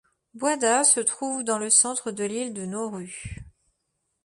Buada se trouve dans le centre de l'île de Nauru.